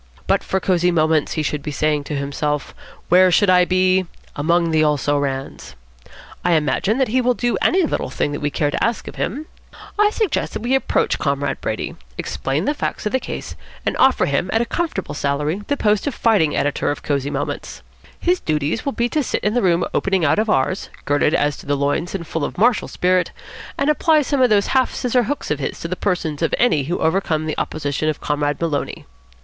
'But for Cosy Moments,' he should be saying to himself, 'where should I be? Among the also rans.' I imagine that he will do any little thing we care to ask of him. I suggest that we approach Comrade Brady, explain the facts of the case, and offer him at a comfortable salary the post of fighting editor of Cosy Moments. His duties will be to sit in the room opening out of ours, girded as to the loins and full of martial spirit, and apply some of those half scissor hooks of his to the persons of any who overcome the opposition of Comrade Maloney.